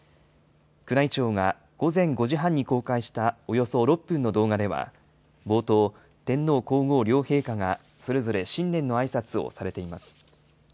宮内庁が午前５時半に公開したおよそ６分の動画では、冒頭、天皇皇后両陛下がそれぞれ新年のあいさつをされています。